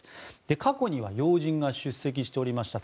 過去には要人が出席しておりました。